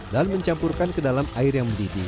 dan mencampurkan ke dalam air yang mendidih